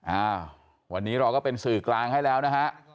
อ้าววันนี้เราก็เป็นสื่อกลางให้แล้วนะฮะ